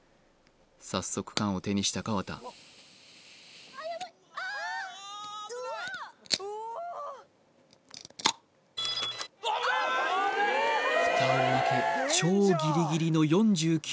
早速缶を手にした河田ふたを開け超ギリギリの４９